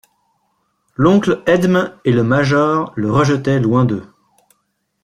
L'oncle Edme et le major le rejetaient loin d'eux.